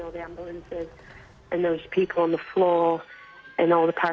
dan orang orang di lantai